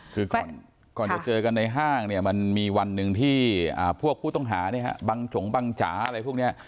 คือก่อนจะเจอกันในห้างเนี่ยมันมีวันหนึ่งที่พวกผู้ต้องหาบังจงบังจ๋าอะไรพวกนี้